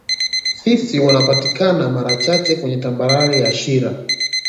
Fisi wanapatikana mara chache kweye tambarare ya shira